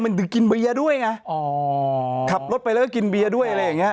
มันถึงกินเบียร์ด้วยไงอ๋อขับรถไปแล้วก็กินเบียร์ด้วยอะไรอย่างเงี้